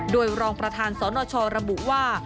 โดยรองประธานสนชระบุว่า